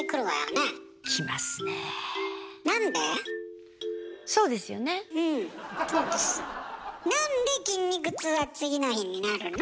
なんで筋肉痛は次の日になるの？